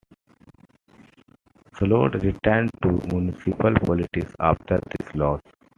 Sloat returned to municipal politics after this loss.